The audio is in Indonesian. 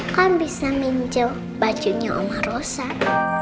kan bisa minjol bajunya oma roset